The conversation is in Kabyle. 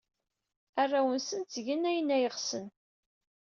Arraw-nsen ttgen ayen ay ɣsen.